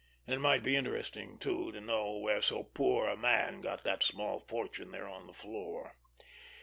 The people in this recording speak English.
And it might be interesting, too, to know where so poor a man got that small fortune there on the floor!